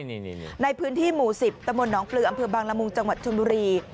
นี่นี่นี่ในพื้นที่หมู่สิบตำรวจหนองฟลืออำเภอบางละมุงจังหวัดชุมดุรี